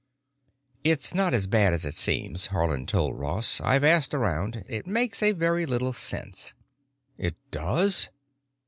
"It's not as bad as it seems," Haarland told Ross. "I've asked around. It makes a very little sense." "It does?"